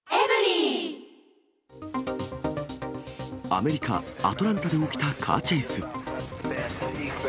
アメリカ・アトランタで起きたカーチェイス。